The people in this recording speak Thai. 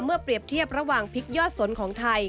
เปรียบเทียบระหว่างพริกยอดสนของไทย